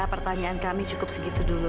pertanyaan kami cukup segitu dulu